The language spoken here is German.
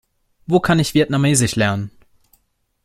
Wo kann ich Vietnamesisch lernen?